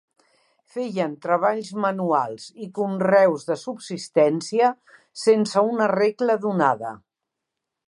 Feien treballs manuals i conreus de subsistència, sense una regla donada.